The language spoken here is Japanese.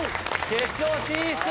決勝進出！